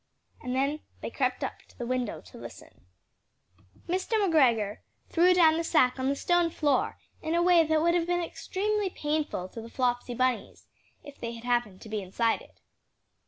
And then they crept up to the window to listen. Mr. McGregor threw down the sack on the stone floor in a way that would have been extremely painful to the Flopsy Bunnies, if they had happened to have been inside it.